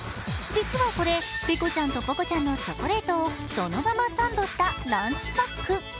実はこれ、ペコちゃんとポコちゃんのチョコレートをそのままサンドしたランチパック。